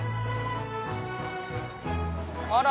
あら。